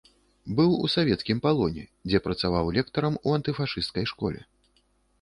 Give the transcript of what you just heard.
Быў у савецкім палоне, дзе працаваў лектарам у антыфашысцкай школе.